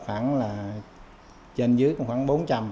khoảng là trên dưới khoảng bốn trăm linh